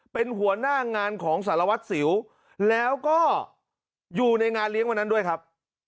เป็นหัวหน้างานของสารวัตรสิวแล้วก็อยู่ในงานเลี้ยงวันนั้นด้วยครับ